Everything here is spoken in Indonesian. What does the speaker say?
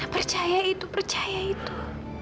percaya itu percaya itu